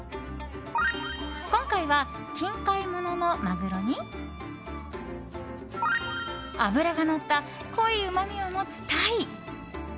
今回は近海もののマグロに脂がのった濃いうまみを持つタイ。